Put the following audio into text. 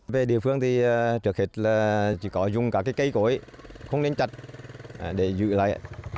về địa phương thì trước hết là chỉ có dùng cả cái cây cổi không nên chạch để giữ lại